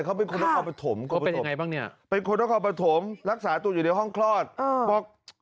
เขาเป็นคนละครปฐมเขาเป็นคนละครปฐมรักษาตุดอยู่ในห้องคลอดบอก